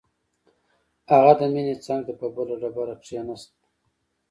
هغه د مينې څنګ ته په بله ډبره کښېناست.